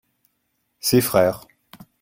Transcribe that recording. ses frères.